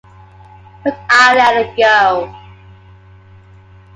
But I let it go.